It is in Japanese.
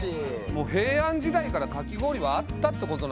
もう平安時代からかき氷はあったってことなんだね？